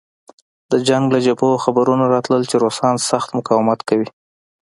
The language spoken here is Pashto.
د جنګ له جبهو خبرونه راتلل چې روسان سخت مقاومت کوي